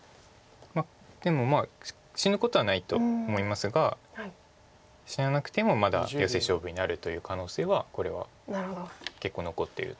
でも死ぬことはないと思いますが死ななくてもまだヨセ勝負になるという可能性はこれは結構残ってると思います。